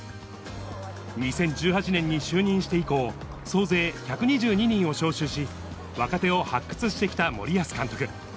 ２０１８年に就任して以降、総勢１２２人を招集し、若手を発掘してきた森保監督。